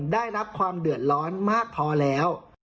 ได้รับความเดือดร้อนมากพอแล้ว